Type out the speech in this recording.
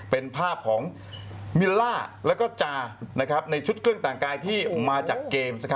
เป็นภาพของมิลล่าแล้วก็จาในชุดเครื่องแต่งกายที่มาจากเกม